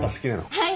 はい！